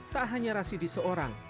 tak hanya rasidi seorang